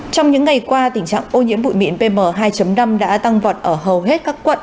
trong những ngày qua tình trạng ô nhiễm bụi mịn pm hai năm đã tăng vọt ở hầu hết các quận